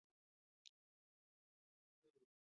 Mike Easler was then hired and finished the season.